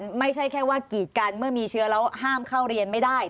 ไม่ใช่แค่ว่ากีดกันเมื่อมีเชื้อแล้วห้ามเข้าเรียนไม่ได้